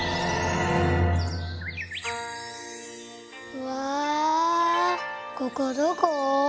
うわここどこ？